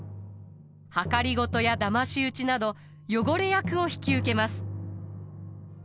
謀やだまし討ちなど汚れ役を引き受けます。